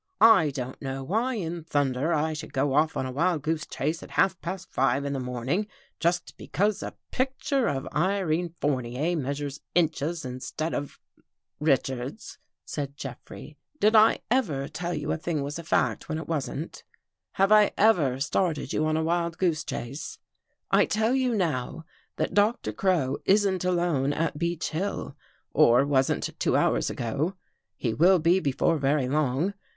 " I don't know why in thunder I should go off on a wild goose chase at half past five in the morning, just because a pic ture of Irene Fournier measures inches instead of ..."" Richards," said Jeffrey, " did I ever tell you a thing was a fact when it wasn't? Have I ever started you on a wild goose chase? I tell you now that Doctor Crow isn't alone at Beech Hill, or wasn't two hours ago. He will be before very long.